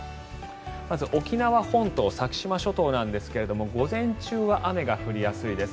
まず沖縄本島、先島諸島ですが午前中は雨が降りやすいです。